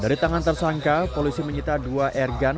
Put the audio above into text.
dari tangan tersangka polisi menyita dua airgun